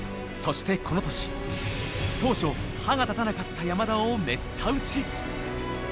そしてこの年当初歯が立たなかった山田をめった打ち。